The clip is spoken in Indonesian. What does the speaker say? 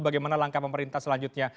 bagaimana langkah pemerintah selanjutnya